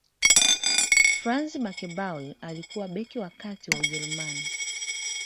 franz beckenbauer alikuwa beki wa kati wa ujerumani